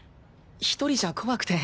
１人じゃ怖くて。